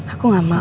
aku gak mau